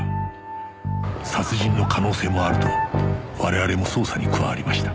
殺人の可能性もあると我々も捜査に加わりました。